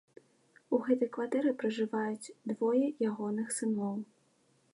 У гэтай кватэры пражываюць двое ягоных сыноў.